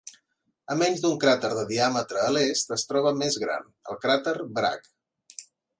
A menys d'un cràter de diàmetre a l'est es troba més gran, el cràter Bragg.